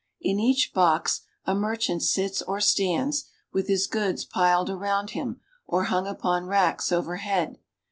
In each box a mer lant sits or stands, with his goods piled around him or Mng upon racks overhead.